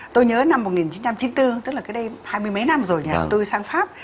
tôi nhớ năm một nghìn chín trăm chín mươi bốn tức là cách đây hai mươi mấy năm rồi nhà tôi sang pháp